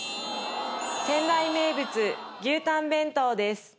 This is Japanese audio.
仙台名物牛たん弁当です。